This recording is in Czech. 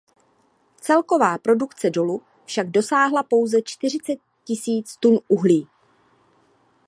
Celková produkce dolu však dosáhla pouze čtyřicet tisíc tun uhlí.